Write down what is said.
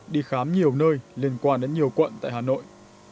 đi khám nhiều nơi liên quan đến nhiều quận tại hà nội